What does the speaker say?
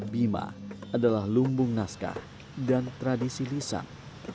bima adalah lumbung naskah dan tradisi lisan